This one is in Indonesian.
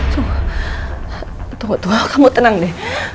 tunggu tunggu kamu tenang deh